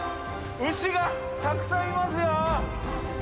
牛がたくさんいますよ。